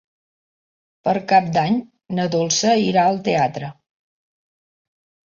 Per Cap d'Any na Dolça irà al teatre.